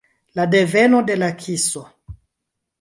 La deveno de la kiso.